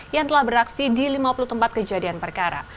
yang telah beraksi di lima puluh tempat kejadian perkara